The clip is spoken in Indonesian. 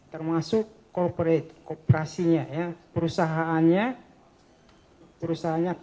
termasuk korporat korporasinya perusahaannya